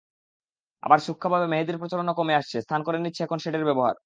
আবার সূক্ষ্মভাবে মেহেদির প্রচলনও কমে আসছে, স্থান করে নিচ্ছে এখন শেডের ব্যবহার।